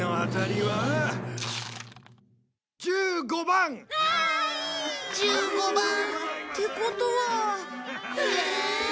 １５番。ってことは。